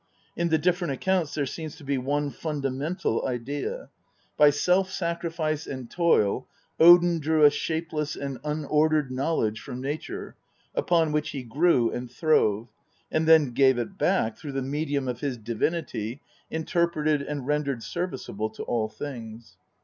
In the different accounts there seems to be one fundamental idea. By self sacrifice and toil Odin drew a shapeless and unordered knowledge from nature upon which he grew and throve, and then gave it back through the medium of his divinity interpreted and rendered serviceable to all beings.